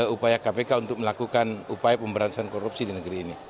upaya kpk untuk melakukan upaya pemberantasan korupsi di negeri ini